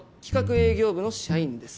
営業部の社員です。